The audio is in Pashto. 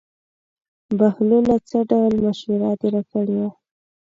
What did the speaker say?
بهلوله څه ډول مشوره دې راکړې وه.